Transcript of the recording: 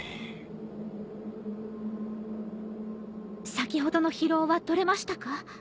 先ほどの疲労は取れましたか？